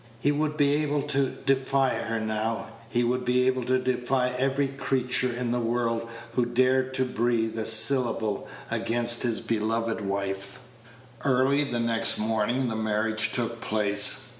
He would be able to defy her now; he would be able to defy every creature in the world who dared to breathe a syllable against his beloved wife. Early the next morning the marriage took place.